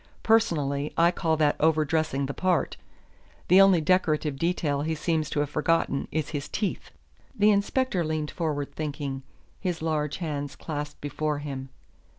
Personally, I call that over dressing the part. The only decorative detail he seems to have forgotten is his teeth." The inspector leaned forward thinking, his large hands clasped before him.